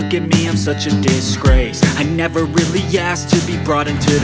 kau merasa begitu